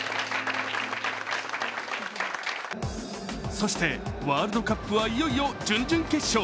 そして、ワールドカップはいよいよ準々決勝。